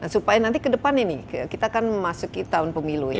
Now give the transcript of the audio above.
supaya nanti ke depan ini kita akan memasuki tahun pemilu ya